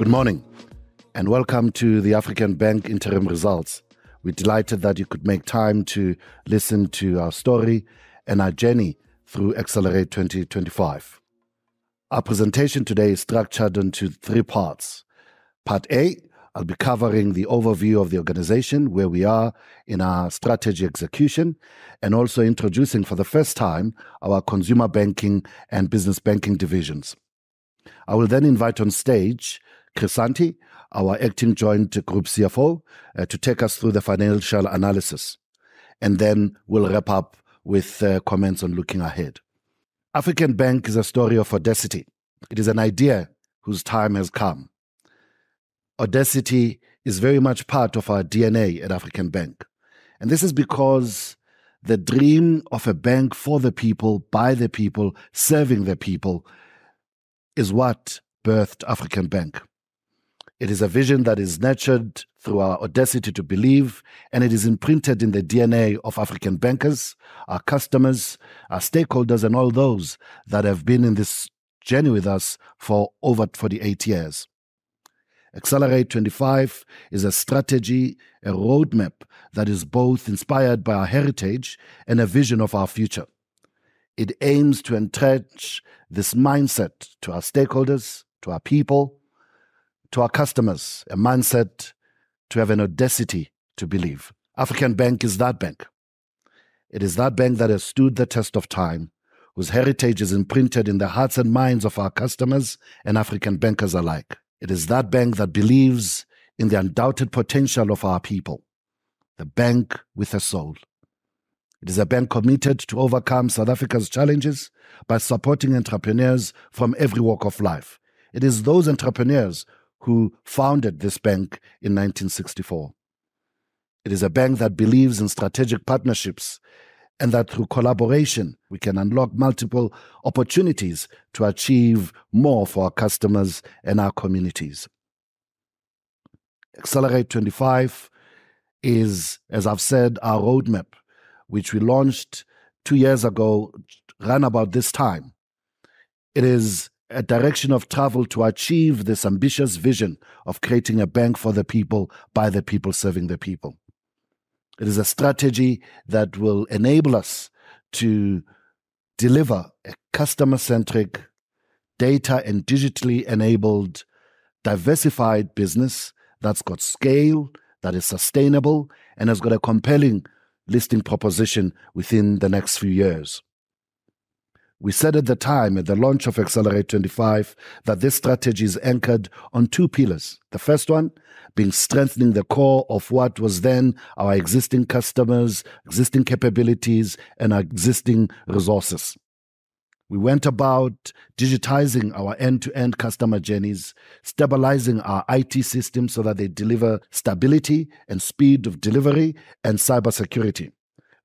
Good morning, welcome to the African Bank interim results. We're delighted that you could make time to listen to our story and our journey through Excelerate25. Our presentation today is structured into three parts. Part A, I'll be covering the overview of the organization, where we are in our strategy execution, and also introducing for the first time, our Consumer Banking and Business Banking divisions. I will then invite on stage Chrisanthi, our Acting Joint Group CFO, to take us through the financial analysis, and then we'll wrap up with comments on looking ahead. African Bank is a story of audacity. It is an idea whose time has come. Audacity is very much part of our DNA at African Bank, and this is because the dream of a bank for the people, by the people, serving the people is what birthed African Bank. It is a vision that is nurtured through our audacity to believe, it is imprinted in the DNA of African bankers, our customers, our stakeholders, and all those that have been in this journey with us for over 48 years. Excelerate25 is a strategy, a roadmap that is both inspired by our heritage and a vision of our future. It aims to entrench this mindset to our stakeholders, to our people, to our customers, a mindset to have an audacity to believe. African Bank is that bank. It is that bank that has stood the test of time, whose heritage is imprinted in the hearts and minds of our customers and African bankers alike. It is that bank that believes in the undoubted potential of our people, the bank with a soul. It is a bank committed to overcome South Africa's challenges by supporting entrepreneurs from every walk of life. It is those entrepreneurs who founded this bank in 1964. It is a bank that believes in strategic partnerships, and that through collaboration we can unlock multiple opportunities to achieve more for our customers and our communities. Excelerate25 is, as I've said, our roadmap, which we launched two years ago, round about this time. It is a direction of travel to achieve this ambitious vision of creating a bank for the people, by the people, serving the people. It is a strategy that will enable us to deliver a customer-centric data and digitally enabled, diversified business that's got scale, that is sustainable, and has got a compelling listing proposition within the next few years. We said at the time, at the launch of Excelerate25, that this strategy is anchored on two pillars. The first one being strengthening the core of what was then our existing customers, existing capabilities, and our existing resources. We went about digitizing our end-to-end customer journeys, stabilizing our IT systems so that they deliver stability and speed of delivery and cybersecurity.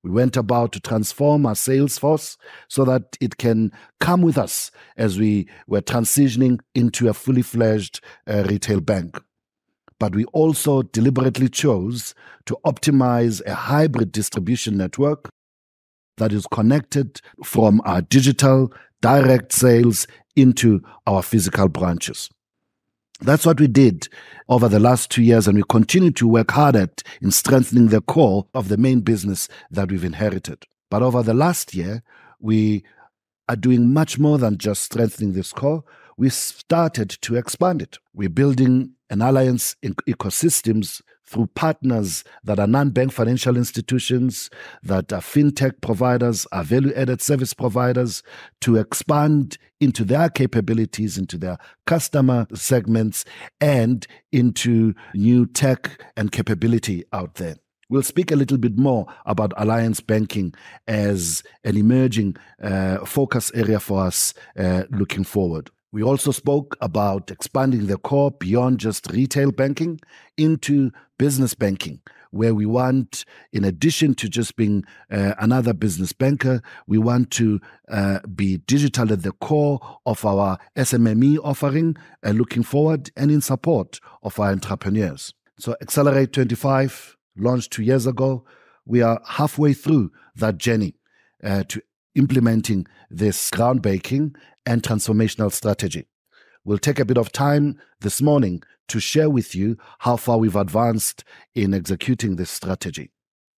We went about to transform our sales force so that it can come with us as we were transitioning into a fully fledged retail bank. We also deliberately chose to optimize a hybrid distribution network that is connected from our digital direct sales into our physical branches. That's what we did over the last two years, and we continue to work hard at in strengthening the core of the main business that we've inherited. Over the last year, we are doing much more than just strengthening this core, we started to expand it. We're building an alliance in ecosystems through partners that are non-bank financial institutions, that are fintech providers, are value-added service providers, to expand into their capabilities, into their customer segments, and into new tech and capability out there. We'll speak a little bit more about Alliance Banking as an emerging focus area for us looking forward. We also spoke about expanding the core beyond just retail banking into Business Banking, where we want in addition to just being another business banker, we want to be digital at the core of our SMME offering, and looking forward and in support of our entrepreneurs. Excelerate25, launched two years ago. We are halfway through that journey to implementing this groundbreaking and transformational strategy. We'll take a bit of time this morning to share with you how far we've advanced in executing this strategy.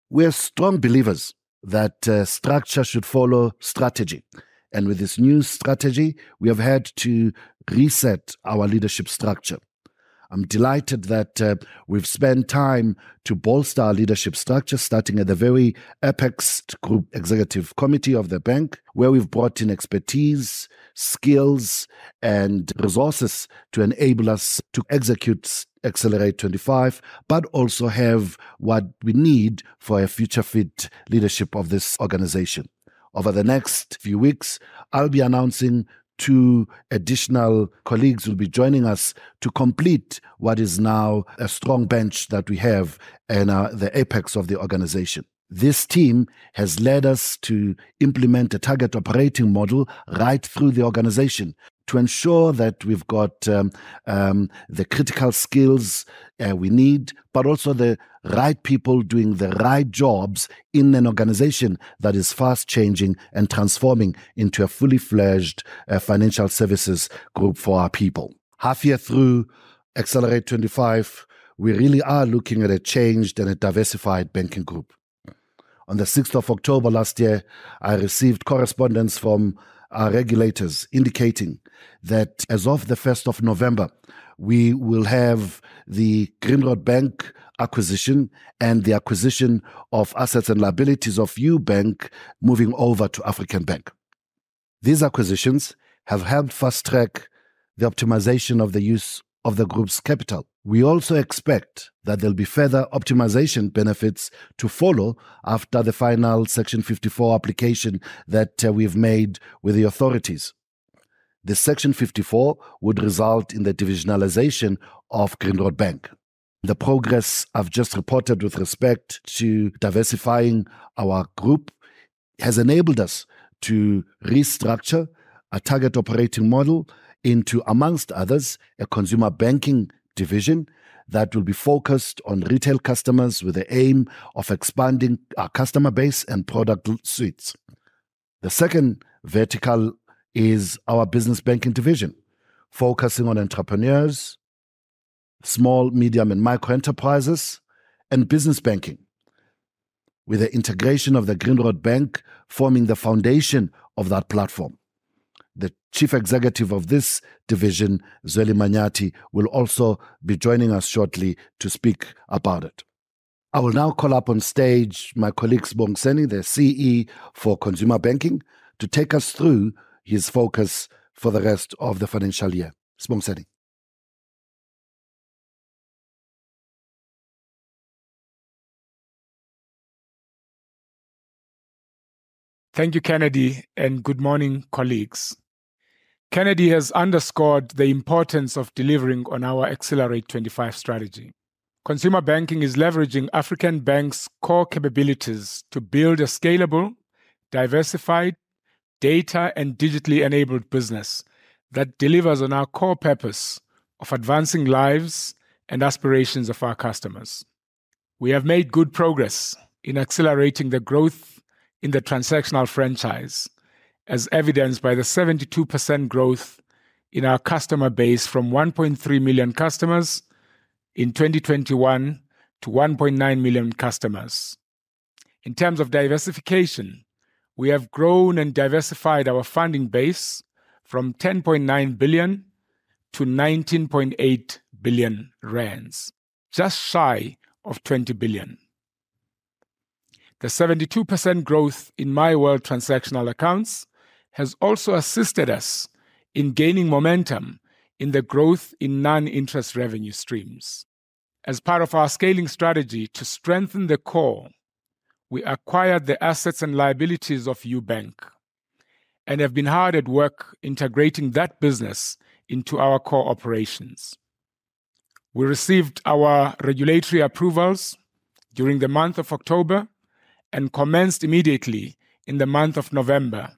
We are strong believers that structure should follow strategy. With this new strategy, we have had to reset our leadership structure. I'm delighted that we've spent time to bolster our leadership structure, starting at the very apex group executive committee of the bank, where we've brought in expertise, skills, and resources to enable us to execute Excelerate25, but also have what we need for a future fit leadership of this organization. Over the next few weeks, I'll be announcing two additional colleagues who'll be joining us to complete what is now a strong bench that we have in the apex of the organization. This team has led us to implement a target operating model right through the organization to ensure that we've got the critical skills we need, but also the right people doing the right jobs in an organization that is fast-changing and transforming into a fully fledged financial services group for our people. Half year through Excelerate25, we really are looking at a changed and a diversified banking group. On the 6th of October last year, I received correspondence from our regulators indicating that as of the first of November, we will have the Grindrod Bank acquisition and the acquisition of assets and liabilities of Ubank moving over to African Bank. These acquisitions have helped fast-track the optimization of the use of the group's capital. We also expect that there'll be further optimization benefits to follow after the final Section 54 application that we've made with the authorities. The Section 54 would result in the divisionalization of Grindrod Bank. The progress I've just reported with respect to diversifying our group has enabled us to restructure a target operating model into, among others, a Consumer Banking division that will be focused on retail customers with the aim of expanding our customer base and product suites. The second vertical is our Business Banking division, focusing on entrepreneurs, small, medium, and micro enterprises, and Business Banking, with the integration of the Grindrod Bank forming the foundation of that platform. The chief executive of this division, Zweli Manyathi, will also be joining us shortly to speak about it. I will now call up on stage my colleague, Sibongiseni, the CE for Consumer Banking, to take us through his focus for the rest of the financial year. Sibongiseni. Thank you, Kennedy, and good morning, colleagues. Kennedy has underscored the importance of delivering on our Excelerate25 strategy. Consumer Banking is leveraging African Bank's core capabilities to build a scalable, diversified, data and digitally enabled business that delivers on our core purpose of advancing lives and aspirations of our customers. We have made good progress in accelerating the growth in the transactional franchise, as evidenced by the 72% growth in our customer base from 1.3 million customers in 2021 to 1.9 million customers. In terms of diversification, we have grown and diversified our funding base from 10.9 billion to 19.8 billion rand, just shy of 20 billion. The 72% growth in MyWORLD transactional accounts has also assisted us in gaining momentum in the growth in non-interest revenue streams. As part of our scaling strategy to strengthen the core, we acquired the assets and liabilities of Ubank and have been hard at work integrating that business into our core operations. We received our regulatory approvals during the month of October and commenced immediately in the month of November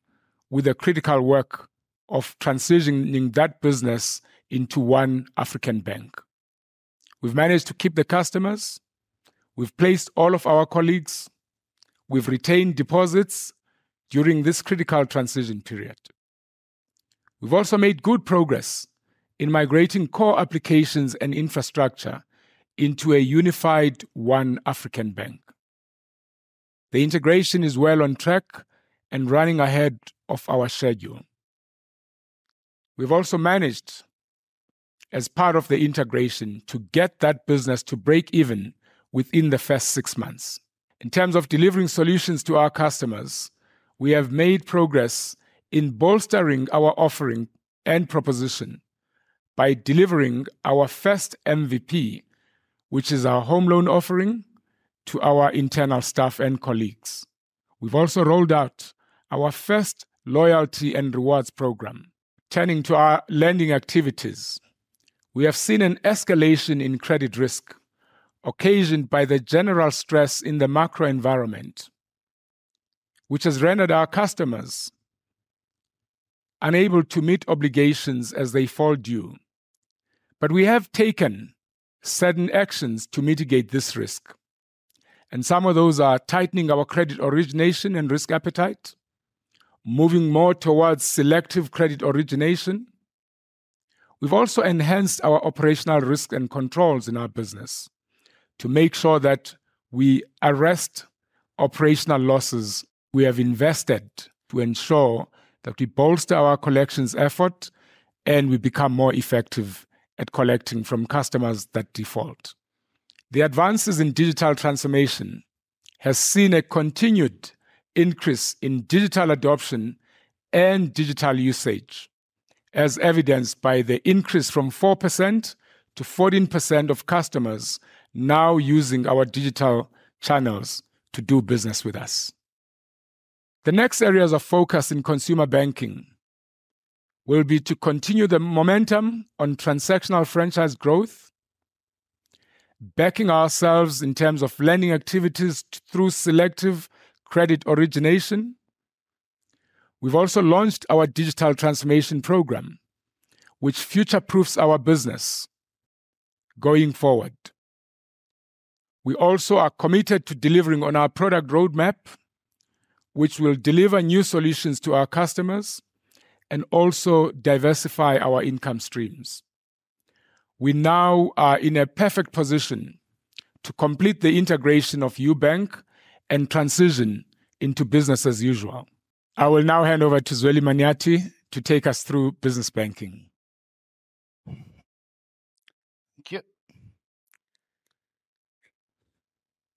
with the critical work of transitioning that business into one African Bank. We've managed to keep the customers. We've placed all of our colleagues. We've retained deposits during this critical transition period. We've also made good progress in migrating core applications and infrastructure into a unified one African Bank. The integration is well on track and running ahead of our schedule. We've also managed, as part of the integration, to get that business to break even within the first six months. In terms of delivering solutions to our customers, we have made progress in bolstering our offering and proposition by delivering our first MVP, which is our home loan offering to our internal staff and colleagues. We've also rolled out our first loyalty and rewards programme. Turning to our lending activities, we have seen an escalation in credit risk occasioned by the general stress in the macro environment, which has rendered our customers unable to meet obligations as they fall due. We have taken certain actions to mitigate this risk, and some of those are tightening our credit origination and risk appetite, moving more towards selective credit origination. We've also enhanced our operational risk and controls in our business to make sure that we arrest operational losses. We have invested to ensure that we bolster our collections effort, and we become more effective at collecting from customers that default. The advances in digital transformation has seen a continued increase in digital adoption and digital usage, as evidenced by the increase from 4% to 14% of customers now using our digital channels to do business with us. The next areas of focus in Consumer Banking will be to continue the momentum on transactional franchise growth, backing ourselves in terms of lending activities through selective credit origination. We've also launched our digital transformation program, which future-proofs our business going forward. We also are committed to delivering on our product roadmap, which will deliver new solutions to our customers and also diversify our income streams. We now are in a perfect position to complete the integration of Ubank and transition into business as usual. I will now hand over to Zweli Manyathi to take us through Business Banking. Thank you.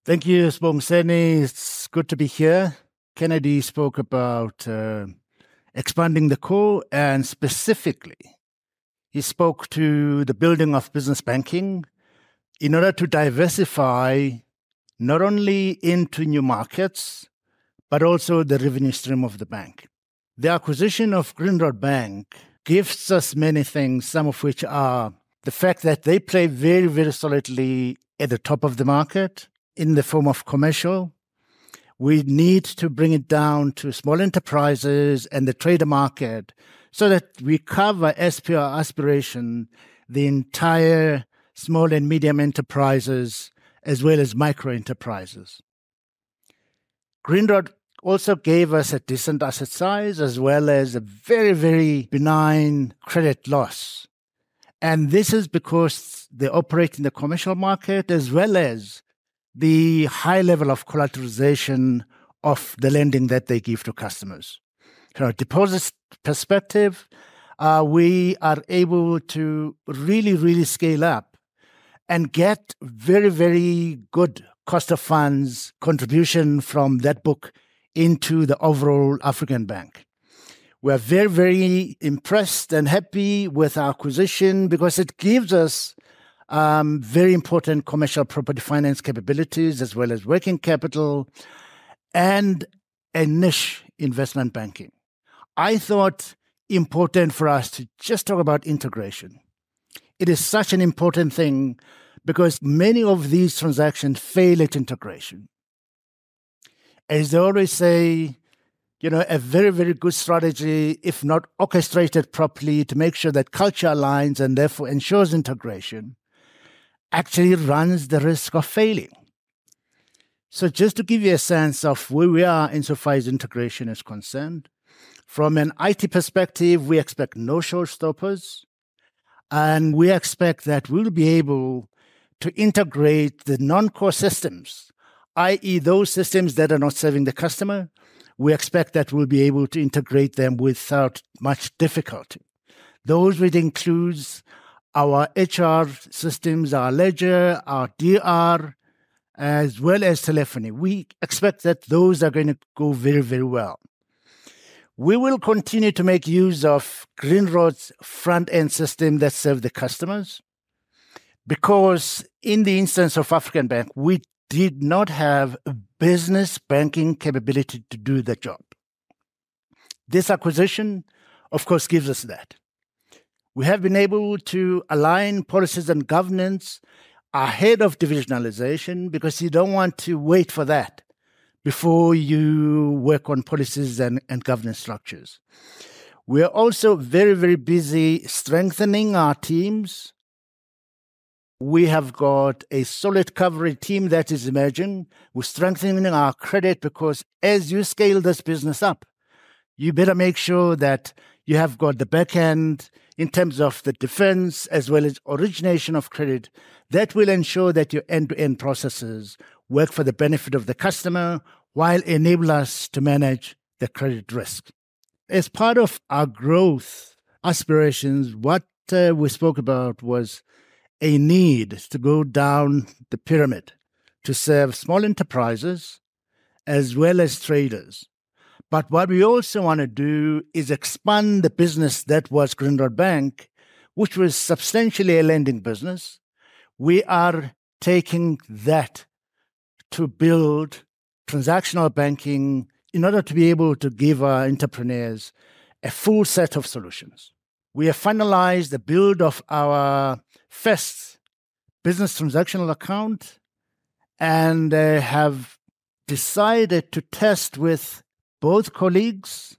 Thank you, Sibongiseni. It's good to be here. Kennedy spoke about, expanding the core. Specifically, he spoke to the building of Business Banking in order to diversify not only into new markets, but also the revenue stream of the bank. The acquisition of Grindrod Bank gives us many things, some of which are the fact that they play very solidly at the top of the market in the form of commercial. We need to bring it down to small enterprises and the trader market so that we cover as per our aspiration, the entire small and medium enterprises, as well as micro enterprises. Grindrod also gave us a decent asset size, as well as a very benign credit loss. This is because they operate in the commercial market, as well as the high level of collateralization of the lending that they give to customers. From a deposits perspective, we are able to really scale up and get very good cost of funds contribution from that book into the overall African Bank. We're very impressed and happy with our acquisition because it gives us very important commercial property finance capabilities, as well as working capital and a niche investment banking. I thought important for us to just talk about integration. It is such an important thing because many of these transactions fail at integration. As they always say, you know, a very good strategy, if not orchestrated properly, to make sure that culture aligns and therefore ensures integration, actually runs the risk of failing. Just to give you a sense of where we are insofar as integration is concerned, from an IT perspective, we expect no showstoppers. We expect that we'll be able to integrate the non-core systems, i.e., those systems that are not serving the customer. We expect that we'll be able to integrate them without much difficulty. Those would include our HR systems, our ledger, our DR, as well as telephony. We expect that those are going to go very, very well. We will continue to make use of Grindrod's front-end system that serve the customers, because in the instance of African Bank, we did not have a Business Banking capability to do the job. This acquisition, of course, gives us that. We have been able to align policies and governance ahead of divisionalization, because you don't want to wait for that before you work on policies and governance structures. We are also very busy strengthening our teams. We have got a solid recovery team that is emerging. We're strengthening our credit because as you scale this business up, you better make sure that you have got the back-end in terms of the defense as well as origination of credit that will ensure that your end-to-end processes work for the benefit of the customer, while enable us to manage the credit risk. As part of our growth aspirations, what we spoke about was a need to go down the pyramid to serve small enterprises as well as traders. What we also want to do is expand the business that was Grindrod Bank, which was substantially a lending business. We are taking that to build transactional banking in order to be able to give our entrepreneurs a full set of solutions. We have finalized the build of our first business transactional account and have decided to test with both colleagues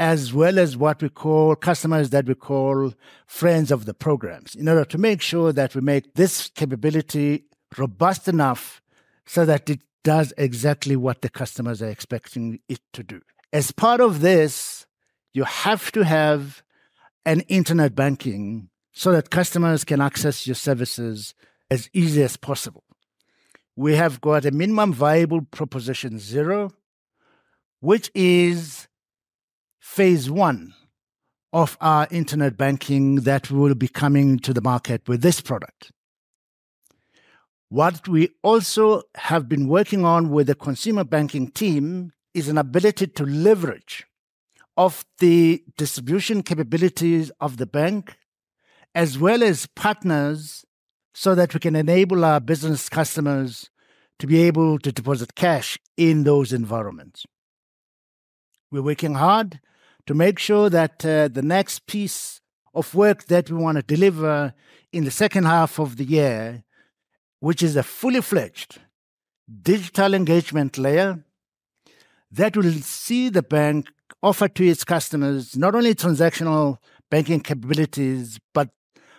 as well as what we call customers that we call friends of the programs, in order to make sure that we make this capability robust enough so that it does exactly what the customers are expecting it to do. As part of this, you have to have an internet banking so that customers can access your services as easy as possible. We have got a minimum viable proposition, zero, which is phase one of our internet banking that will be coming to the market with this product. What we also have been working on with the Consumer Banking team is an ability to leverage of the distribution capabilities of the bank as well as partners, so that we can enable our business customers to be able to deposit cash in those environments. We're working hard to make sure that the next piece of work that we want to deliver in the second half of the year, which is a fully fledged digital engagement layer, that will see the bank offer to its customers not only transactional banking capabilities, but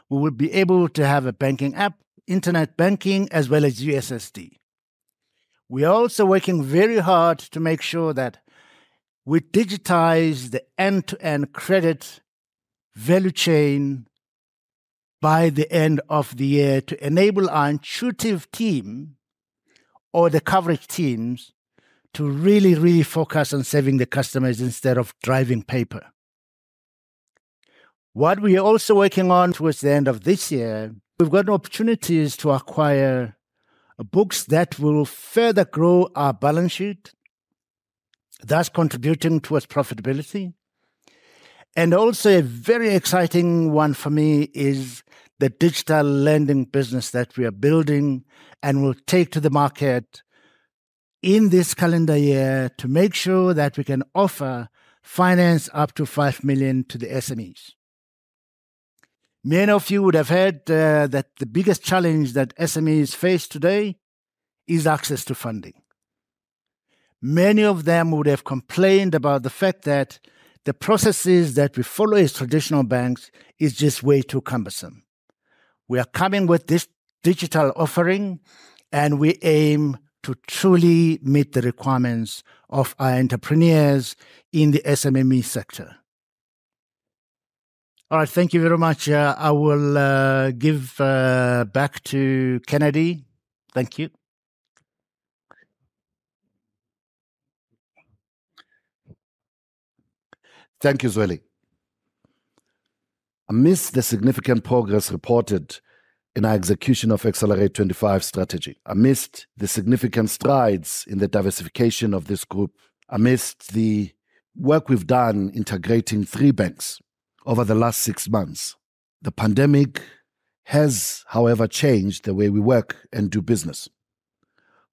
we will be able to have a banking app, internet banking, as well as USSD. We are also working very hard to make sure that we digitize the end-to-end credit value chain by the end of the year to enable our intuitive team or the coverage teams to really focus on serving the customers instead of driving paper. What we are also working on towards the end of this year, we've got opportunities to acquire books that will further grow our balance sheet, thus contributing towards profitability. Also, a very exciting one for me is the digital lending business that we are building and will take to the market in this calendar year to make sure that we can offer finance up to 5 million to the SMEs. Many of you would have heard that the biggest challenge that SMEs face today is access to funding. Many of them would have complained about the fact that the processes that we follow as traditional banks is just way too cumbersome. We are coming with this digital offering, and we aim to truly meet the requirements of our entrepreneurs in the SMME sector. All right, thank you very much. I will give back to Kennedy. Thank you. Thank you, Zweli. Amidst the significant progress reported in our execution of Excelerate25 strategy, amidst the significant strides in the diversification of this group, amidst the work we've done integrating three banks over the last six months, the pandemic has, however, changed the way we work and do business.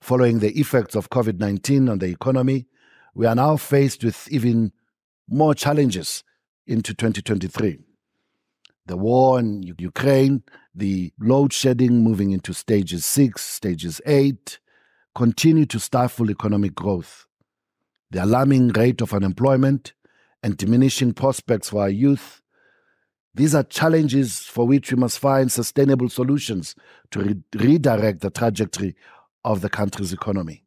Following the effects of COVID-19 on the economy, we are now faced with even more challenges into 2023. The war in Ukraine, the load shedding moving into stages 6, stages 8, continue to stifle economic growth. The alarming rate of unemployment and diminishing prospects for our youth, these are challenges for which we must find sustainable solutions to redirect the trajectory of the country's economy.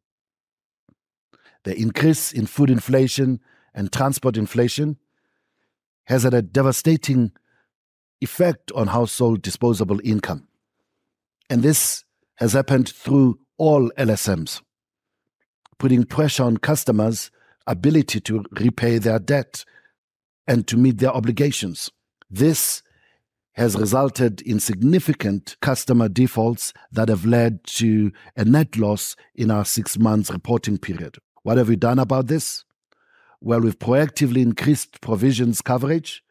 The increase in food inflation and transport inflation has had a devastating effect on household disposable income, and this has happened through all LSMs, putting pressure on customers' ability to repay their debt and to meet their obligations. This has resulted in significant customer defaults that have led to a net loss in our six months reporting period. What have we done about this? Well, we've proactively increased provisions coverage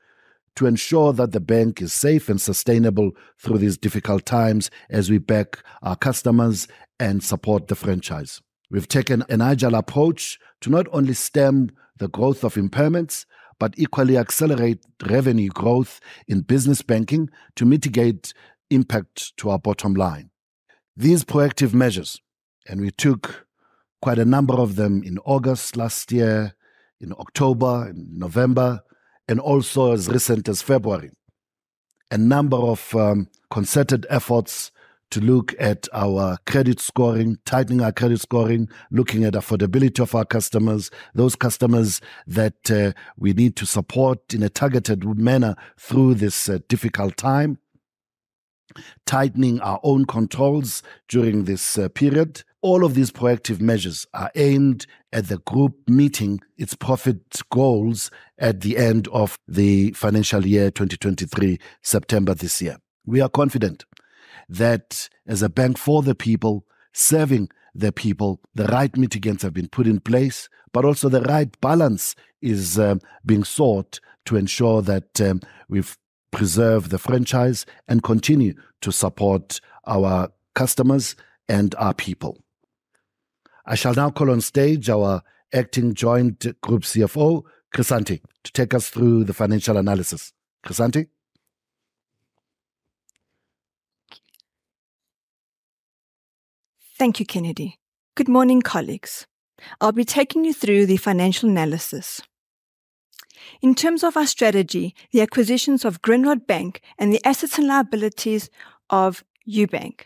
to ensure that the bank is safe and sustainable through these difficult times as we back our customers and support the franchise. We've taken an agile approach to not only stem the growth of impairments, but equally accelerate revenue growth in Business Banking to mitigate impact to our bottom line. These proactive measures, and we took quite a number of them in August last year, in October, in November, and also as recent as February. A number of concerted efforts to look at our credit scoring, tightening our credit scoring, looking at affordability of our customers, those customers that we need to support in a targeted manner through this difficult time, tightening our own controls during this period. All of these proactive measures are aimed at the group meeting its profit goals at the end of the financial year, 2023, September this year. We are confident that as a bank for the people, serving the people, the right mitigants have been put in place, but also the right balance is being sought to ensure that we've preserved the franchise and continue to support our customers and our people. I shall now call on stage our Acting Joint Group CFO, Chrisanthi, to take us through the financial analysis. Chrisanthi? Thank you, Kennedy. Good morning, colleagues. I'll be taking you through the financial analysis. In terms of our strategy, the acquisitions of Grindrod Bank and the assets and liabilities of Ubank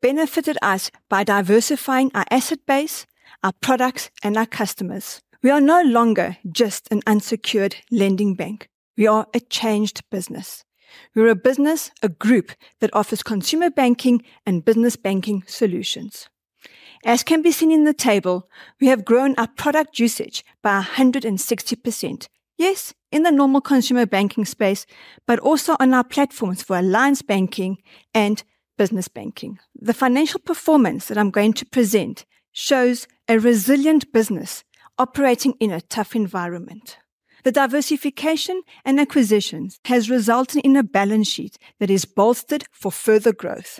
benefited us by diversifying our asset base, our products, and our customers. We are no longer just an unsecured lending bank. We are a changed business. We are a business, a group, that offers Consumer Banking and Business Banking solutions. As can be seen in the table, we have grown our product usage by 160%. Yes, in the normal Consumer Banking space, but also on our platforms for Alliance Banking and Business Banking. The financial performance that I'm going to present shows a resilient business operating in a tough environment. The diversification and acquisitions has resulted in a balance sheet that is bolstered for further growth.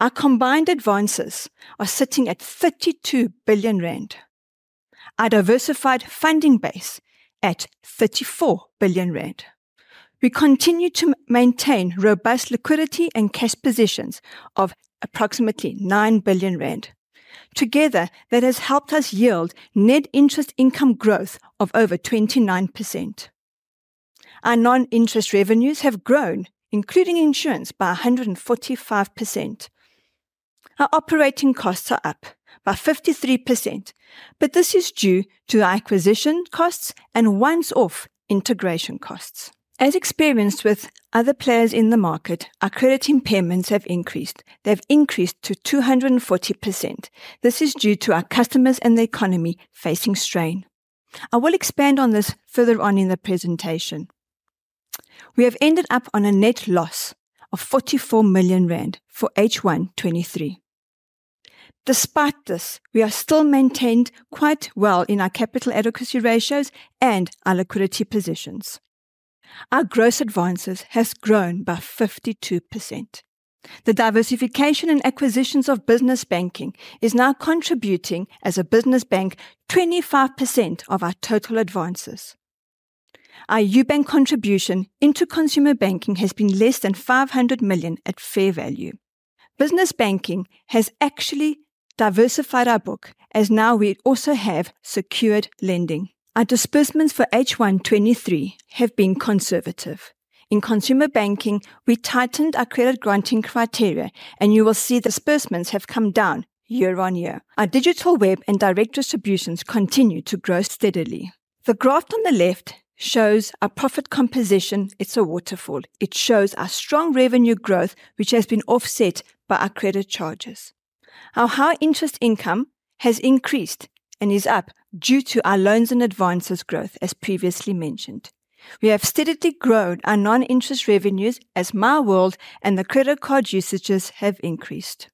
Our combined advances are sitting at 32 billion rand. Our diversified funding base at 34 billion rand. We continue to maintain robust liquidity and cash positions of approximately 9 billion rand. Together, that has helped us yield net interest income growth of over 29%. Our non-interest revenues have grown, including insurance, by 145%. Our operating costs are up by 53%. This is due to the acquisition costs and once-off integration costs. As experienced with other players in the market, our credit impairments have increased. They've increased to 240%. This is due to our customers and the economy facing strain. I will expand on this further on in the presentation. We have ended up on a net loss of 44 million rand for H1 2023. Despite this, we have still maintained quite well in our capital adequacy ratios and our liquidity positions. Our gross advances has grown by 52%. The diversification and acquisitions of Business Banking is now contributing, as a business bank, 25% of our total advances. Our Ubank contribution into Consumer Banking has been less than 500 million at fair value. Business Banking has actually diversified our book, as now we also have secured lending. Our disbursements for H1 2023 have been conservative. In Consumer Banking, we tightened our credit granting criteria, and you will see the disbursements have come down year-on-year. Our digital web and direct distributions continue to grow steadily. The graph on the left shows our profit composition. It's a waterfall. It shows our strong revenue growth, which has been offset by our credit charges. Our high interest income has increased and is up due to our loans and advances growth, as previously mentioned. We have steadily grown our MyWORLD and the credit card usages have increased.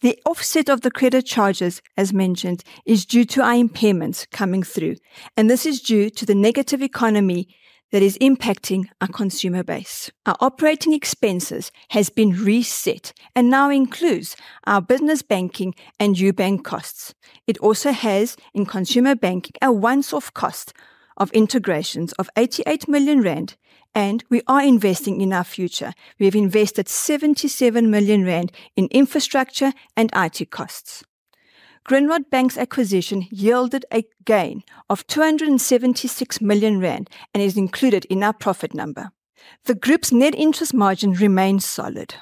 The offset of the credit charges, as mentioned, is due to our impairments coming through, and this is due to the negative economy that is impacting our consumer base. Our operating expenses has been reset and now includes our Business Banking and Ubank costs. It also has, in Consumer Banking, a once-off cost of integrations of 88 million rand, and we are investing in our future. We have invested 77 million rand in infrastructure and IT costs. Grindrod Bank's acquisition yielded a gain of 276 million rand and is included in our profit number. The group's net interest margin remains solid.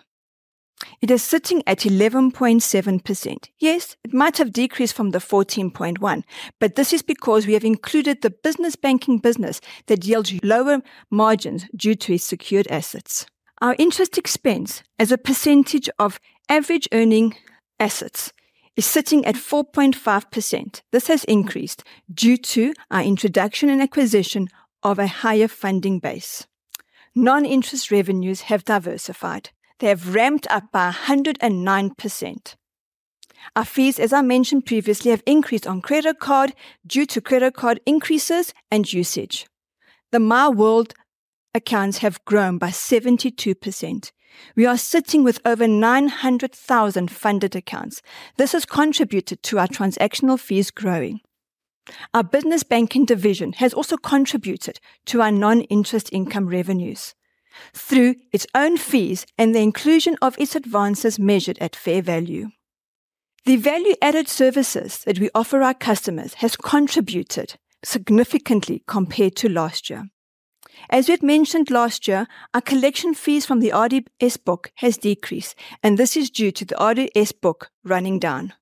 It is sitting at 11.7%. Yes, it might have decreased from the 14.1%, this is because we have included the Business Banking business that yields lower margins due to its secured assets. Our interest expense as a percentage of average earning assets is sitting at 4.5%. This has increased due to our introduction and acquisition of a higher funding base. Non-interest revenues have diversified. They have ramped up by 109%. Our fees, as I mentioned previously, have increased on credit card due to credit card increases and usage. The MyWORLD accounts have grown by 72%. We are sitting with over 900,000 funded accounts. This has contributed to our transactional fees growing. Our Business Banking division has also contributed to our non-interest income revenues through its own fees and the inclusion of its advances measured at fair value. The value-added services that we offer our customers has contributed significantly compared to last year. As we had mentioned last year, our collection fees from the RDS book has decreased, and this is due to the RDS book running down.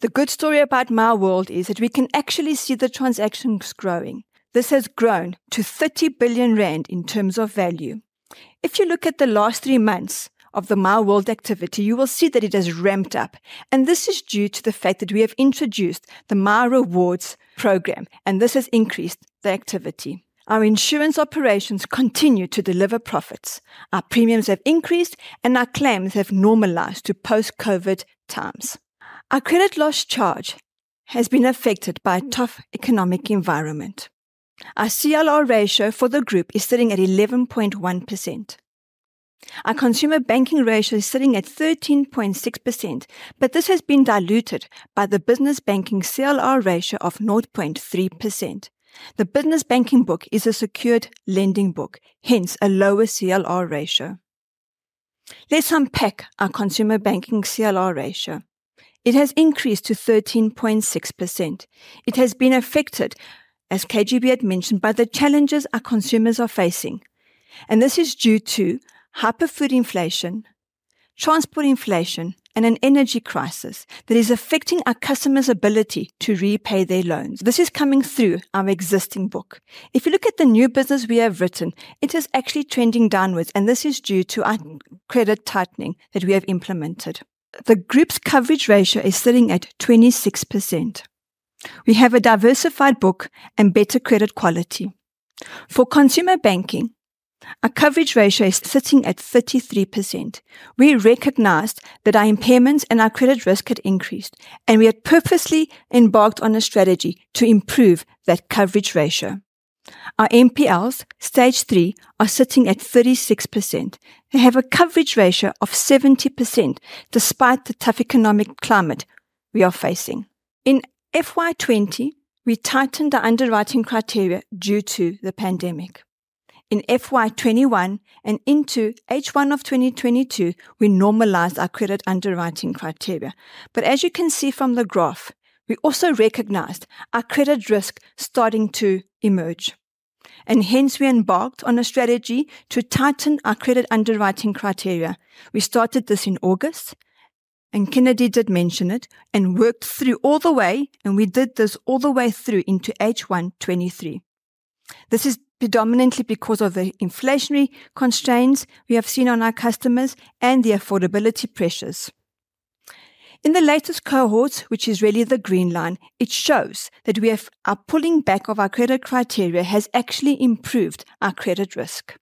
The good story about MyWORLD is that we can actually see the transactions growing. This has grown to 30 billion rand in terms of value. If you look at the last three months of the MyWORLD activity, you will see that it has ramped up, and this is due to the fact that we have introduced the MyRewards program, and this has increased the activity. Our insurance operations continue to deliver profits. Our premiums have increased, and our claims have normalized to post-COVID times. Our credit loss charge has been affected by a tough economic environment. Our CLR ratio for the group is sitting at 11.1%. Our Consumer Banking ratio is sitting at 13.6%, but this has been diluted by the Business Banking CLR ratio of 0.3%. The Business Banking book is a secured lending book, hence a lower CLR ratio. Let's unpack our Consumer Banking CLR ratio. It has increased to 13.6%. It has been affected, as KGB had mentioned, by the challenges our consumers are facing, and this is due to hyper food inflation, transport inflation, and an energy crisis that is affecting our customers' ability to repay their loans. This is coming through our existing book. If you look at the new business we have written, it is actually trending downwards, and this is due to our credit tightening that we have implemented. The group's coverage ratio is sitting at 26%. We have a diversified book and better credit quality. For Consumer Banking, our coverage ratio is sitting at 33%. We recognized that our impairments and our credit risk had increased, and we had purposely embarked on a strategy to improve that coverage ratio. Our NPLs Stage 3 are sitting at 36%. We have a coverage ratio of 70% despite the tough economic climate we are facing. In FY 2020, we tightened the underwriting criteria due to the pandemic. In FY 2021 and into H1 2022, we normalized our credit underwriting criteria. As you can see from the graph, we also recognized our credit risk starting to emerge. Hence we embarked on a strategy to tighten our credit underwriting criteria. We started this in August, and Kennedy did mention it, and worked through all the way, and we did this all the way through into H1 2023. This is predominantly because of the inflationary constraints we have seen on our customers and the affordability pressures. In the latest cohorts, which is really the green line, it shows that our pulling back of our credit criteria has actually improved our credit risk.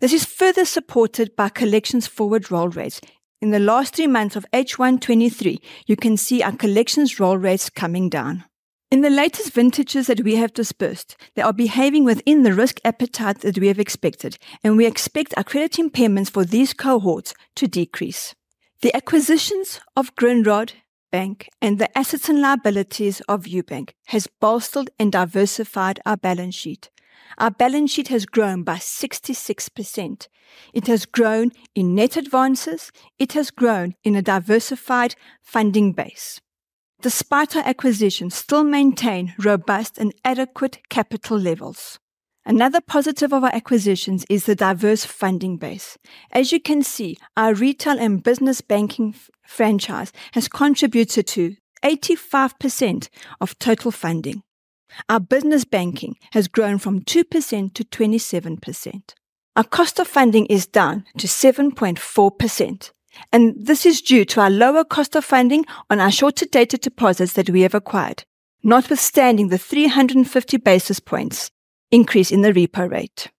This is further supported by collections forward roll rates. In the last three months of H1 2023, you can see our collections roll rates coming down. In the latest vintages that we have dispersed, they are behaving within the risk appetite that we have expected, and we expect our credit impairments for these cohorts to decrease. The acquisitions of Grindrod Bank and the assets and liabilities of Ubank has bolstered and diversified our balance sheet. Our balance sheet has grown by 66%. It has grown in net advances, it has grown in a diversified funding base. Despite our acquisition, still maintain robust and adequate capital levels. Another positive of our acquisitions is the diverse funding base. As you can see, our Retail and Business Banking franchise has contributed to 85% of total funding. Our Business Banking has grown from 2% to 27%. Our cost of funding is down to 7.4%. This is due to our lower cost of funding on our shorter-dated deposits that we have acquired, notwithstanding the 350 basis points increase in the repo rate.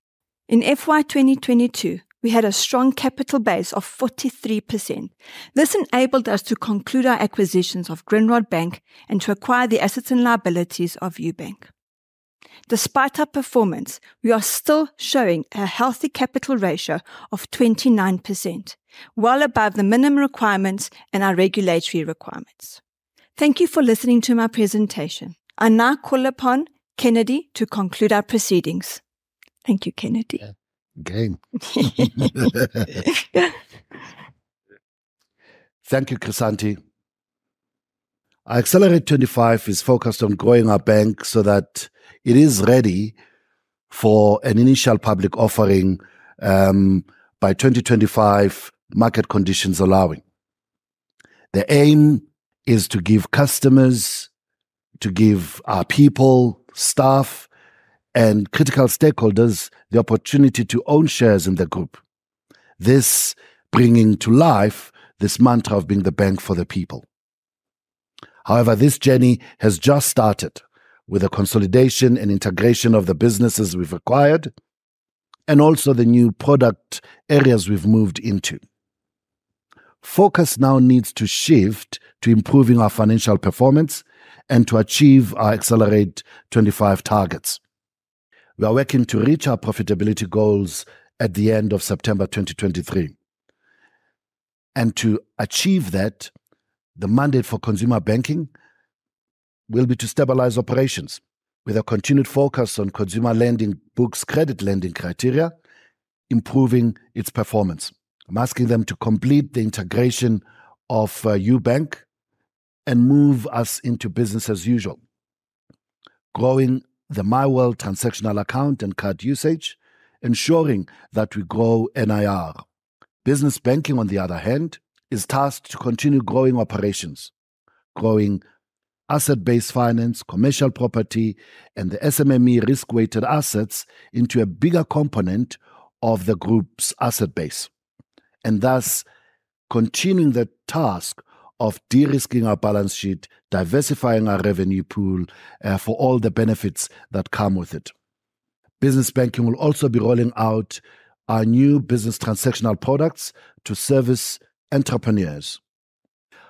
In FY 2022, we had a strong capital base of 43%. This enabled us to conclude our acquisitions of Grindrod Bank and to acquire the assets and liabilities of Ubank. Despite our performance, we are still showing a healthy capital ratio of 29%, well above the minimum requirements and our regulatory requirements. Thank you for listening to my presentation. I now call upon Kennedy to conclude our proceedings. Thank you, Kennedy. Yeah. Again. Thank you, Chrisanthi. Our Excelerate25 is focused on growing our bank so that it is ready for an initial public offering by 2025, market conditions allowing. The aim is to give customers, to give our people, staff, and critical stakeholders the opportunity to own shares in the group. This bringing to life this mantra of being the bank for the people. However, this journey has just started with the consolidation and integration of the businesses we've acquired, and also the new product areas we've moved into. Focus now needs to shift to improving our financial performance and to achieve our Excelerate25 targets. We are working to reach our profitability goals at the end of September 2023. To achieve that, the mandate for Consumer Banking will be to stabilize operations with a continued focus on consumer lending books, credit lending criteria, improving its performance. I'm asking them to complete the integration of Ubank and move us into business as usual, growing the MyWORLD transactional account and card usage, ensuring that we grow NIR. Business Banking, on the other hand, is tasked to continue growing operations, growing asset-based finance, commercial property, and the SMME risk-weighted assets into a bigger component of the group's asset base, and thus continuing the task of de-risking our balance sheet, diversifying our revenue pool for all the benefits that come with it. Business Banking will also be rolling out our new business transactional products to service entrepreneurs.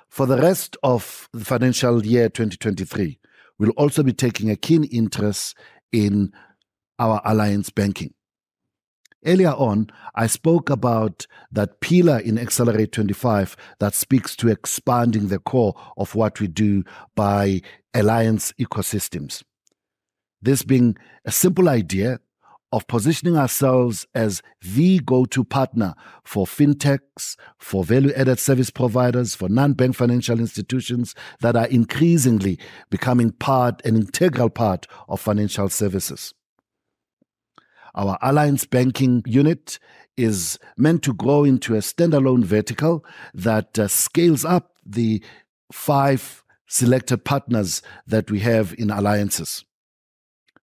For the rest of the financial year 2023, we'll also be taking a keen interest in our Alliance Banking. Earlier on, I spoke about that pillar in Excelerate25 that speaks to expanding the core of what we do by alliance ecosystems. This being a simple idea of positioning ourselves as the go-to partner for fintechs, for value-added service providers, for non-bank financial institutions that are increasingly becoming an integral part of financial services. Our Alliance Banking unit is meant to grow into a standalone vertical that scales up the five selected partners that we have in alliances.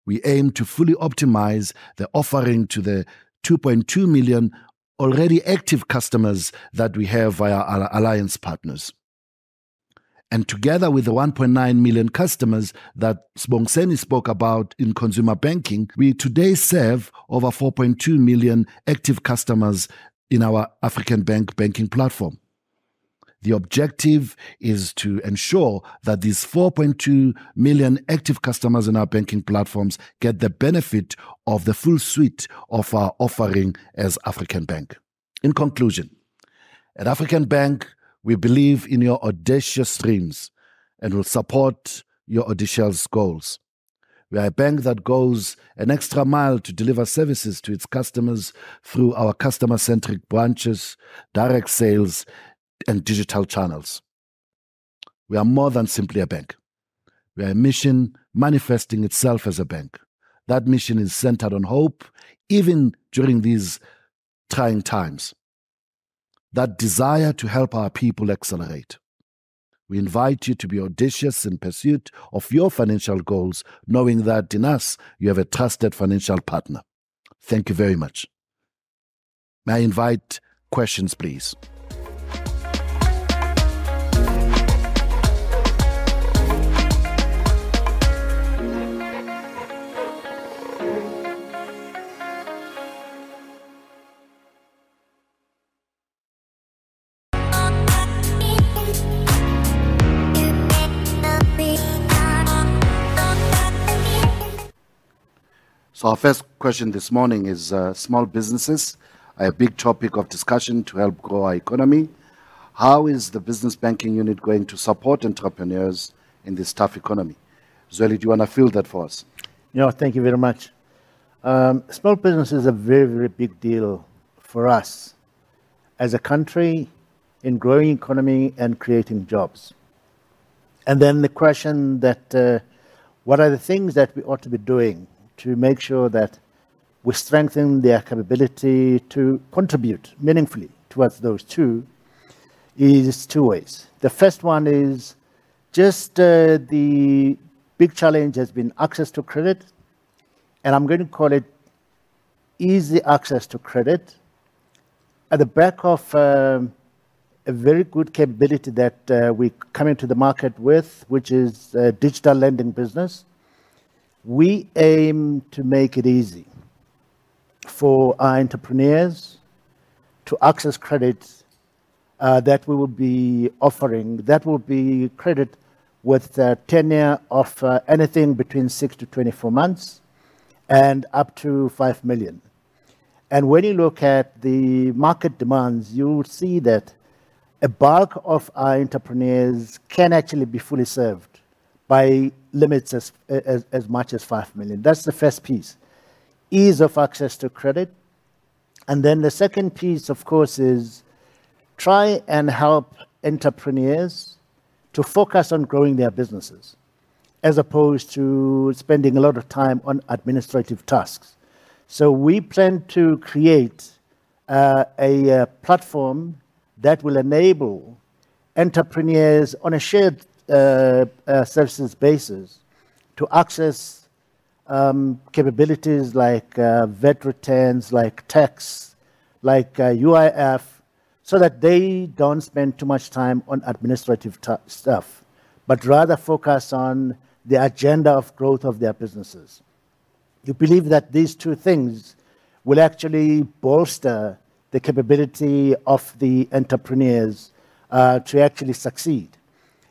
We aim to fully optimize the offering to the 2.2 million already active customers that we have via our alliance partners. Together with the 1.9 million customers that Sibongiseni spoke about in Consumer Banking, we today serve over 4.2 million active customers in our African Bank banking platform. The objective is to ensure that these 4.2 million active customers in our banking platforms get the benefit of the full suite of our offering as African Bank. In conclusion, at African Bank, we believe in your audacious dreams and will support your audacious goals. We are a bank that goes an extra mile to deliver services to its customers through our customer-centric branches, direct sales, and digital channels. We are more than simply a bank. We are a mission manifesting itself as a bank. That mission is centered on hope, even during these trying times. That desire to help our people accelerate. We invite you to be audacious in pursuit of your financial goals, knowing that in us, you have a trusted financial partner. Thank you very much. May I invite questions, please? Our first question this morning is, small businesses, are a big topic of discussion to help grow our economy. How is the Business Banking unit going to support entrepreneurs in this tough economy? Zweli, do you want to field that for us? Yeah, thank you very much. Small business is a very, very big deal for us as a country in growing economy and creating jobs. The question that, what are the things that we ought to be doing to make sure that we strengthen their capability to contribute meaningfully towards those two is two ways. The first one is just, the big challenge has been access to credit, and I'm going to call it easy access to credit. At the back of a very good capability that we're coming to the market with, which is digital lending business. We aim to make it easy for our entrepreneurs to access credit that we will be offering. That will be credit with a tenure of anything between six to 24 months and up to 5 million. When you look at the market demands, you will see that a bulk of our entrepreneurs can actually be fully served by limits as much as 5 million. That's the first piece, ease of access to credit. The second piece, of course, is try and help entrepreneurs to focus on growing their businesses as opposed to spending a lot of time on administrative tasks. We plan to create a platform that will enable entrepreneurs on a shared service basis to access capabilities like VAT returns, like tax, like UIF, so that they don't spend too much time on administrative stuff, but rather focus on the agenda of growth of their businesses. We believe that these two things will actually bolster the capability of the entrepreneurs to actually succeed.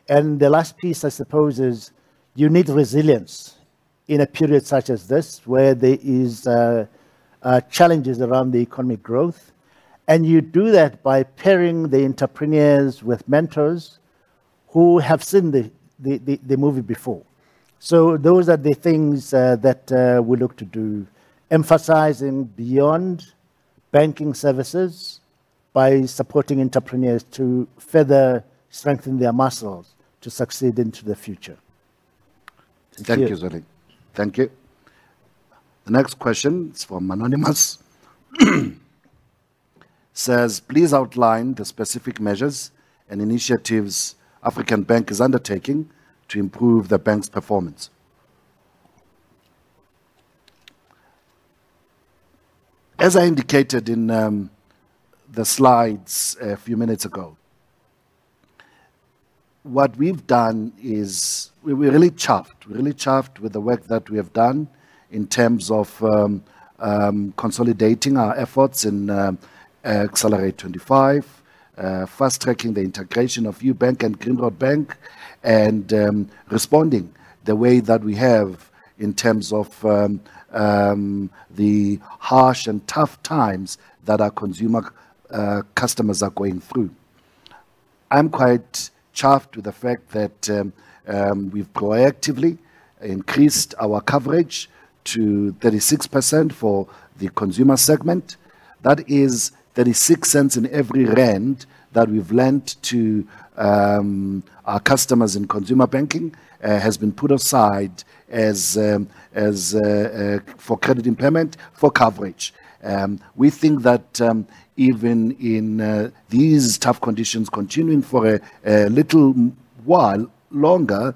The last piece, I suppose, is you need resilience in a period such as this, where there is challenges around the economic growth. You do that by pairing the entrepreneurs with mentors who have seen the movie before. Those are the things that we look to do, emphasizing beyond banking services by supporting entrepreneurs to further strengthen their muscles to succeed into the future. Thank you. Thank you, Zweli. Thank you. The next question is from anonymous. Says, "Please outline the specific measures and initiatives African Bank is undertaking to improve the bank's performance." As I indicated in the slides a few minutes ago, We're really chuffed with the work that we have done in terms of consolidating our efforts in Excelerate25, fast-tracking the integration of Ubank and Grindrod Bank, and responding the way that we have in terms of the harsh and tough times that our consumer customers are going through. I'm quite chuffed with the fact that we've proactively increased our coverage to 36% for the consumer segment. That is 0.36 in every rand that we've lent to our customers in Consumer Banking has been put aside as for credit impairment for coverage. We think that even in these tough conditions continuing for a little while longer,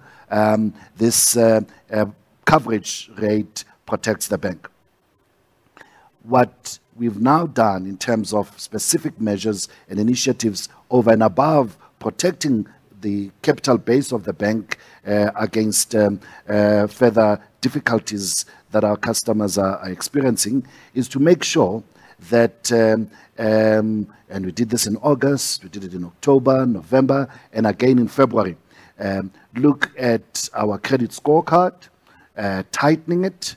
this coverage rate protects the bank. What we've now done in terms of specific measures and initiatives over and above protecting the capital base of the bank against further difficulties that our customers are experiencing, is to make sure that. We did this in August, we did it in October, November, and again in February. Look at our credit scorecard, tightening it,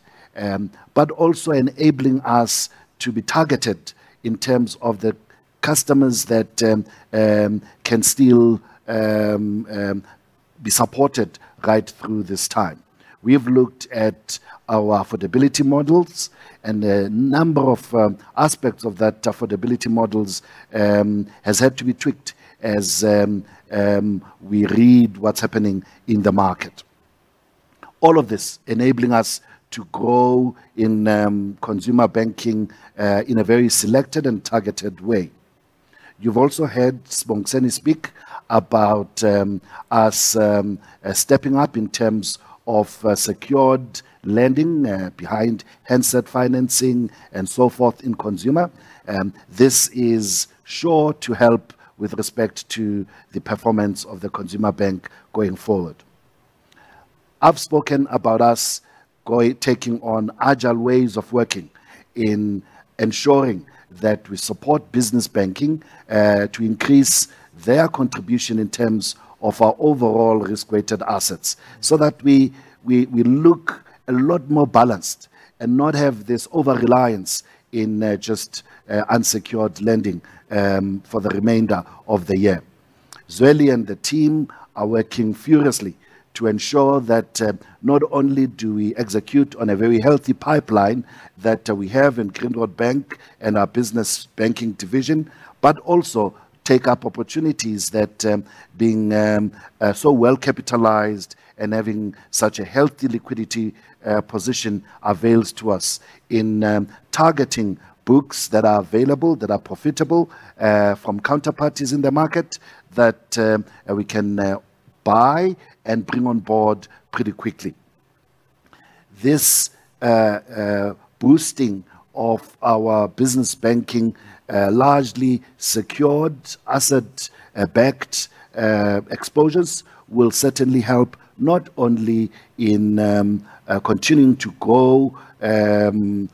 but also enabling us to be targeted in terms of the customers that can still be supported right through this time. We have looked at our affordability models, and a number of, aspects of that affordability models, has had to be tweaked as, we read what's happening in the market. All of this enabling us to grow in, Consumer Banking, in a very selected and targeted way. You've also heard Sibongiseni speak about, us, stepping up in terms of, secured lending, behind handset financing and so forth in consumer. This is sure to help with respect to the performance of the consumer bank going forward. I've spoken about us taking on agile ways of working in ensuring that we support Business Banking to increase their contribution in terms of our overall risk-weighted assets, so that we look a lot more balanced and not have this over-reliance in just unsecured lending for the remainder of the year. Zweli and the team are working furiously to ensure that not only do we execute on a very healthy pipeline that we have in Grindrod Bank and our Business Banking division, but also take up opportunities that being so well capitalized and having such a healthy liquidity position avails to us in targeting books that are available, that are profitable from counterparties in the market that we can buy and bring on board pretty quickly. This boosting of our Business Banking, largely secured asset backed exposures will certainly help not only in continuing to grow in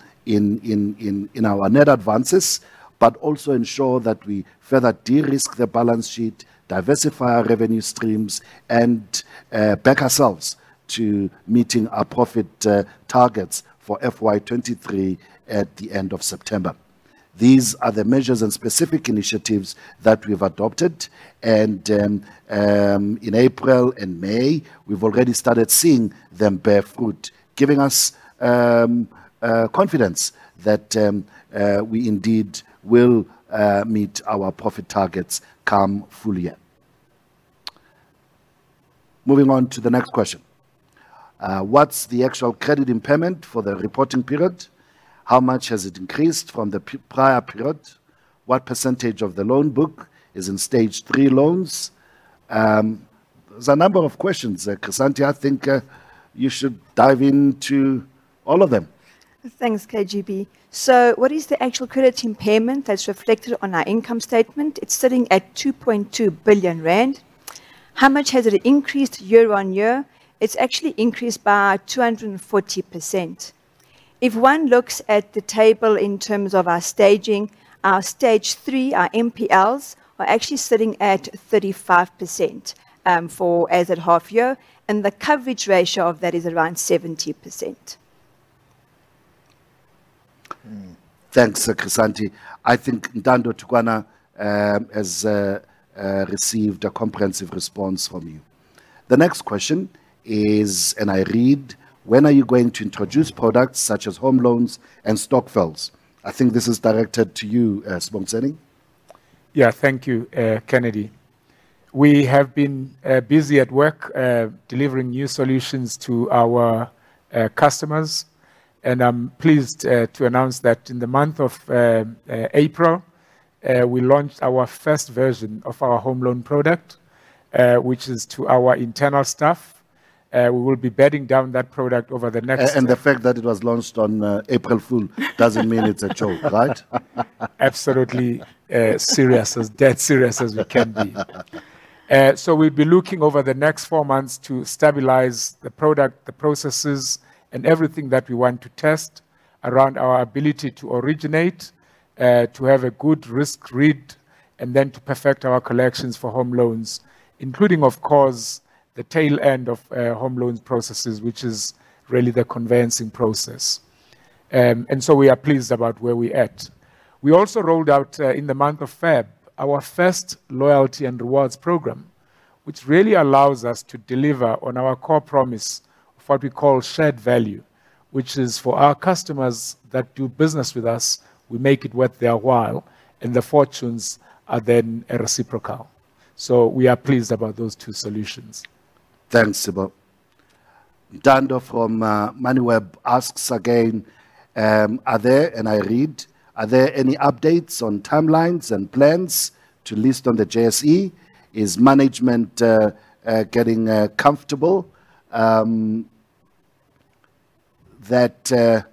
our net advances, but also ensure that we further de-risk the balance sheet, diversify our revenue streams, and back ourselves to meeting our profit targets for FY 2023 at the end of September. These are the measures and specific initiatives that we've adopted, and in April and May, we've already started seeing them bear fruit, giving us confidence that we indeed will meet our profit targets come full year. Moving on to the next question. What's the actual credit impairment for the reporting period? How much has it increased from the prior period? What % of the loan book is in Stage 3 loans? There's a number of questions there, Chrisanthi. I think you should dive into all of them. Thanks, KGB. What is the actual credit impairment that's reflected on our income statement? It's sitting at 2.2 billion rand. How much has it increased year-on-year? It's actually increased by 240%. If one looks at the table in terms of our staging, our Stage 3, our NPLs, are actually sitting at 35% for as at half year, and the coverage ratio of that is around 70%. Thanks, Chrisanthi. I think Dando Tukwana has received a comprehensive response from you. The next question is. I read: When are you going to introduce products such as home loans and stokvels? I think this is directed to you, Sibongiseni. Yeah. Thank you, Kennedy. We have been busy at work, delivering new solutions to our customers, and I'm pleased to announce that in the month of April, we launched our first version of our home loan product, which is to our internal staff. We will be bedding down that product over the next- The fact that it was launched on April Fool doesn't mean it's a joke, right? Absolutely, serious. As dead serious as we can be. We'll be looking over the next four months to stabilize the product, the processes, and everything that we want to test around our ability to originate, to have a good risk read, and then to perfect our collections for home loans, including, of course, the tail end of home loans processes, which is really the conveyancing process. We are pleased about where we at. We also rolled out in the month of Feb, our first loyalty and rewards program, which really allows us to deliver on our core promise for what we call shared value, which is for our customers that do business with us, we make it worth their while, and the fortunes are then reciprocal. We are pleased about those two solutions. Thanks, Sibo. Dando from Moneyweb asks again, "Are there..." I read, "Are there any updates on timelines and plans to list on the JSE? Is management getting comfortable that..."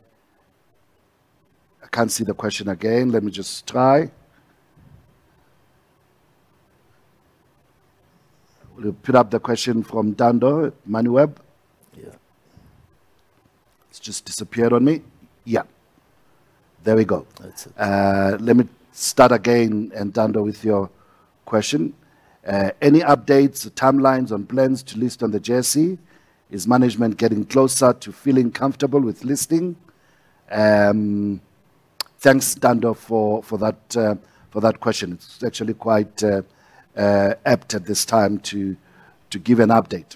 I can't see the question again. Let me just try. Will you put up the question from Dando at Moneyweb? Yeah. It's just disappeared on me. Yeah, there we go. That's it. Let me start again, and Dando, with your question. Any updates or timelines on plans to list on the JSE? Is management getting closer to feeling comfortable with listing? Thanks, Dando, for that question. It's actually quite apt at this time to give an update.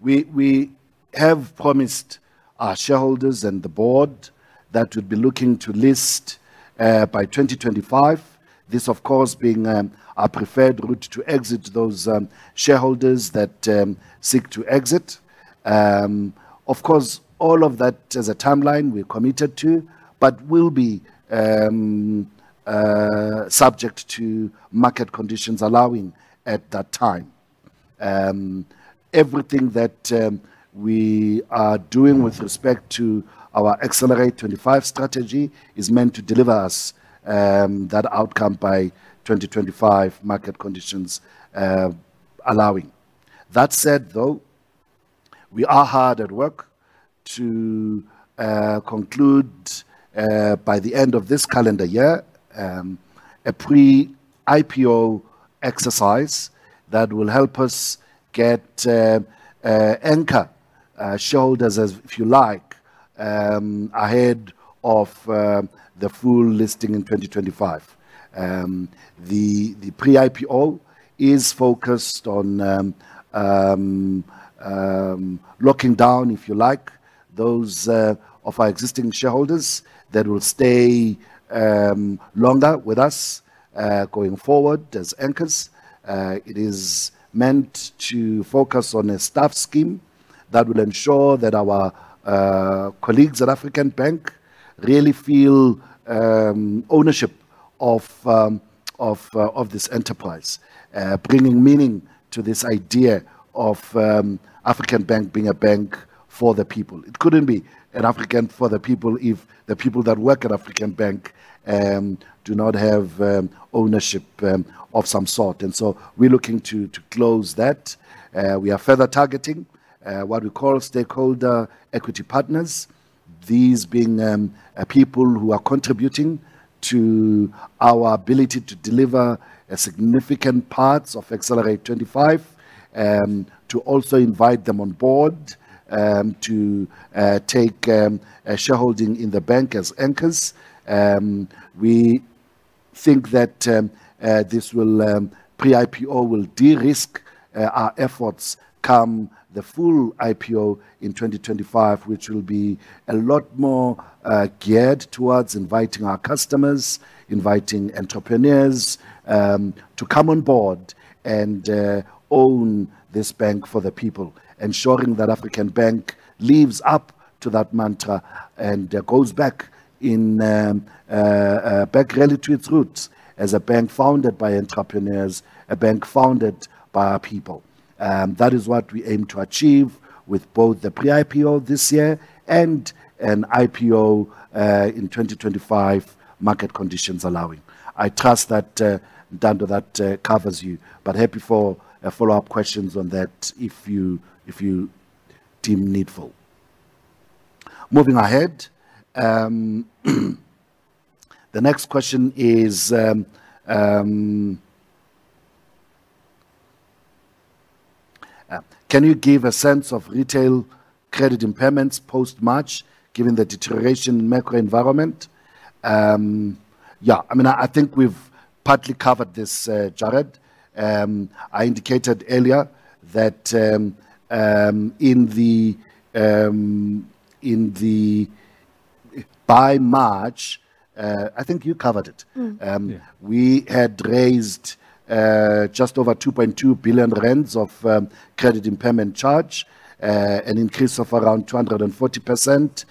We have promised our shareholders and the board that we'll be looking to list by 2025. This, of course, being our preferred route to exit those shareholders that seek to exit. Of course, all of that has a timeline we're committed to, but will be subject to market conditions allowing at that time. Everything that we are doing with respect to our Excelerate25 strategy is meant to deliver us that outcome by 2025, market conditions allowing. That said, though, we are hard at work to conclude by the end of this calendar year, a pre-IPO exercise that will help us get a anchor shareholders, as if you like, ahead of the full listing in 2025. The pre-IPO is focused on locking down, if you like, those of our existing shareholders that will stay longer with us going forward as anchors. It is meant to focus on a staff scheme that will ensure that our colleagues at African Bank really feel ownership of this enterprise, bringing meaning to this idea of African Bank being a bank for the people. It couldn't be an African for the people if the people that work at African Bank do not have ownership of some sort. We're looking to close that. We are further targeting what we call stakeholder equity partners. These being people who are contributing to our ability to deliver a significant parts of Excelerate25 to also invite them on board to take a shareholding in the bank as anchors. We think that this will pre-IPO will de-risk our efforts come the full IPO in 2025, which will be a lot more geared towards inviting our customers, inviting entrepreneurs to come on board and own this bank for the people, ensuring that African Bank lives up to that mantra and goes back in back really to its roots as a bank founded by entrepreneurs, a bank founded by our people. That is what we aim to achieve with both the pre-IPO this year and an IPO in 2025, market conditions allowing. I trust that Dando, that covers you, but happy for a follow-up questions on that if you, if you deem needful. Moving ahead, the next question is, "Can you give a sense of retail credit impairments post-March, given the deterioration in macro environment?" Yeah, I mean, I think we've partly covered this, Jared. I indicated earlier that, by March, I think you covered it. Yeah. We had raised just over 2.2 billion rand of credit impairment charge, an increase of around 240%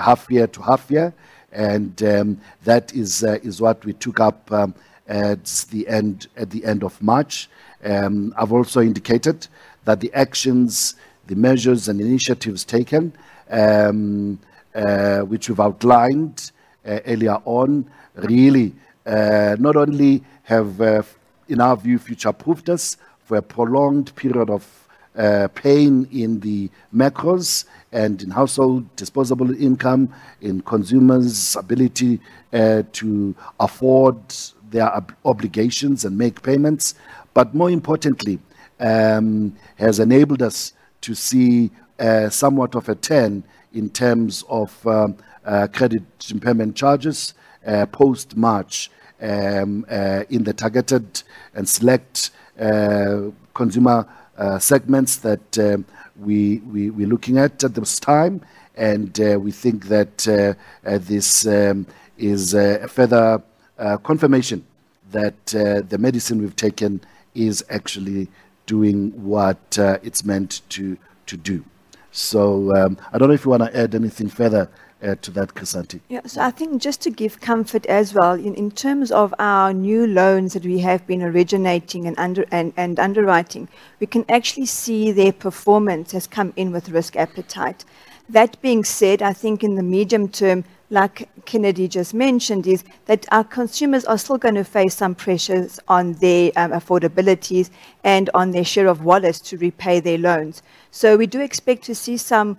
half year to half year. That is what we took up at the end of March. I've also indicated that the actions, the measures, and initiatives taken, which we've outlined earlier on, really, not only have, in our view, future-proofed us for a prolonged period of pain in the macros and in household disposable income, in consumers' ability to afford their obligations and make payments, but more importantly, has enabled us to see somewhat of a turn in terms of credit impairment charges post-March in the targeted and select consumer segments that we're looking at at this time. We think that this is a further confirmation that the medicine we've taken is actually doing what it's meant to do. I don't know if you want to add anything further to that, Chrisanthi. I think just to give comfort as well, in terms of our new loans that we have been originating and underwriting, we can actually see their performance has come in with risk appetite. That being said, I think in the medium term, like Kennedy just mentioned, is that our consumers are still gonna face some pressures on their affordabilities and on their share of wallets to repay their loans. We do expect to see some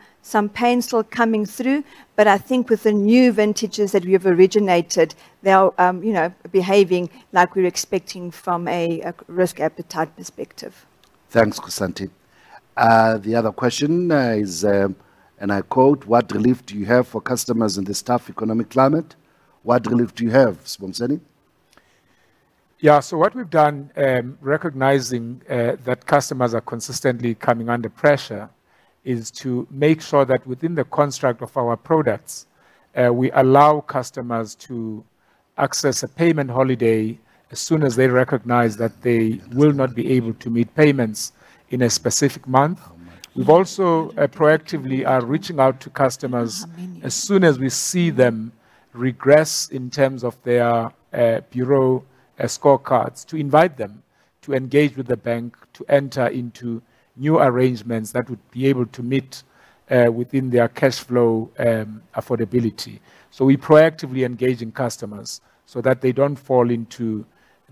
pain still coming through, but I think with the new vintages that we have originated, they are, you know, behaving like we're expecting from a risk appetite perspective. Thanks, Chrisanthi. The other question is, and I quote: "What relief do you have for customers in this tough economic climate?" What relief do you have, Sibongiseni? Yeah, what we've done, recognizing that customers are consistently coming under pressure, is to make sure that within the construct of our products, we allow customers to access a payment holiday as soon as they recognize that they will not be able to meet payments in a specific month. We've also, proactively are reaching out to customers as soon as we see them regress in terms of their bureau scorecards, to invite them to engage with the bank, to enter into new arrangements that would be able to meet within their cash flow affordability. We're proactively engaging customers so that they don't fall into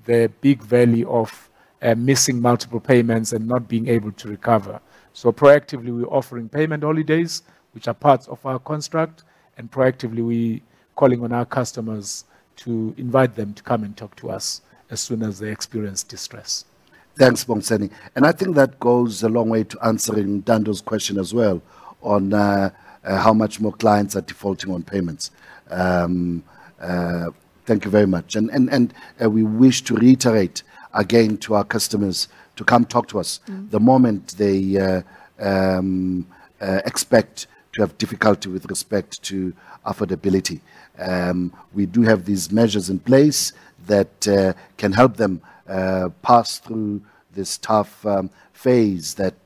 the big valley of missing multiple payments and not being able to recover. Proactively, we're offering payment holidays, which are parts of our construct, and proactively, we calling on our customers to invite them to come and talk to us as soon as they experience distress. Thanks, Sibongiseni. I think that goes a long way to answering Dando's question as well on how much more clients are defaulting on payments. Thank you very much. We wish to reiterate again to our customers to come talk to us. The moment they expect to have difficulty with respect to affordability. We do have these measures in place that can help them pass through this tough phase that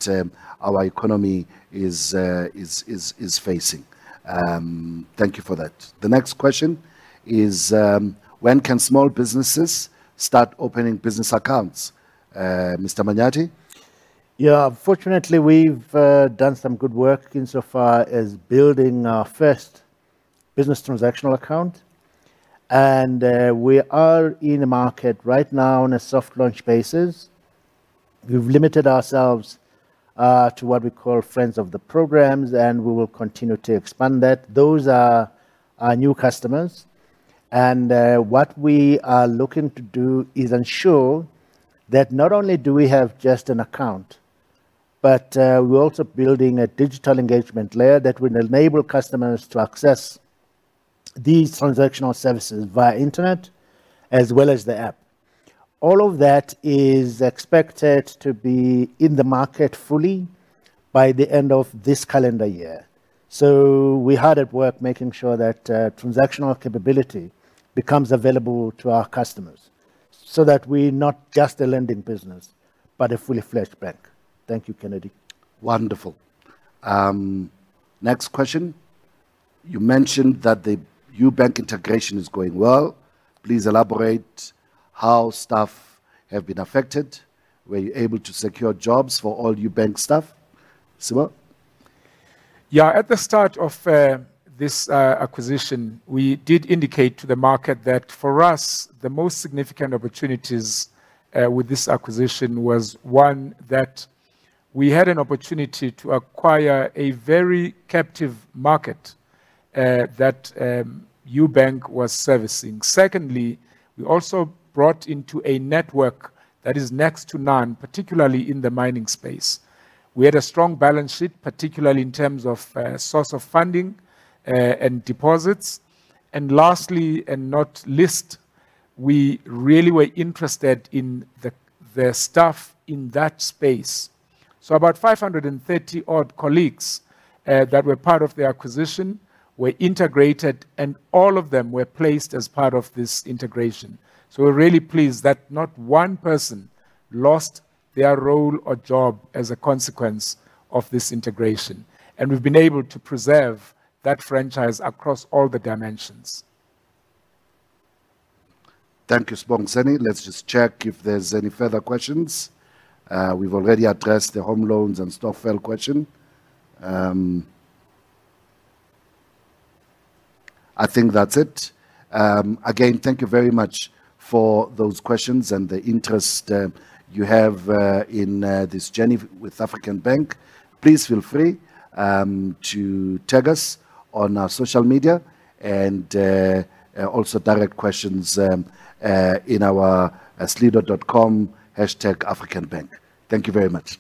our economy is facing. Thank you for that. The next question is: When can small businesses start opening business accounts? Mr. Manyathi? Yeah. Fortunately, we've done some good work insofar as building our first business transactional account. We are in the market right now on a soft launch basis. We've limited ourselves to what we call friends of the programs. We will continue to expand that. Those are our new customers. What we are looking to do is ensure that not only do we have just an account, but we're also building a digital engagement layer that will enable customers to access these transactional services via internet as well as the app. All of that is expected to be in the market fully by the end of this calendar year. We're hard at work making sure that transactional capability becomes available to our customers, so that we're not just a lending business, but a fully fledged bank. Thank you, Kennedy. Wonderful. Next question: You mentioned that the Ubank integration is going well. Please elaborate how staff have been affected? Were you able to secure jobs for all Ubank staff? Sibongiseni? At the start of this acquisition, we did indicate to the market that for us, the most significant opportunities with this acquisition was, one, that we had an opportunity to acquire a very captive market that Ubank was servicing. Secondly, we also brought into a network that is next to none, particularly in the mining space. We had a strong balance sheet, particularly in terms of source of funding and deposits. Lastly, and not least, we really were interested in the staff in that space. About 530-odd colleagues that were part of the acquisition were integrated, all of them were placed as part of this integration. We're really pleased that not one person lost their role or job as a consequence of this integration, and we've been able to preserve that franchise across all the dimensions. Thank you, Sibongiseni. Let's just check if there's any further questions. We've already addressed the home loans and stokvel question. I think that's it. Again, thank you very much for those questions and the interest you have in this journey with African Bank. Please feel free to tag us on our social media and also direct questions in our slido.com #AfricanBank. Thank you very much.